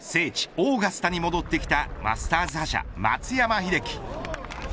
オーガスタに戻ってきたマスターズ覇者、松山英樹。